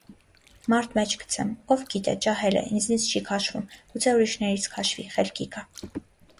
մարդ մեջ գցեմ, ո՞վ գիտե, ջահել է, ինձնից չի քաշվում, գուցե ուրիշներից քաշվի, խելքի գա: